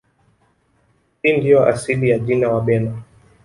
Hii ndiyo asili ya jina Wabena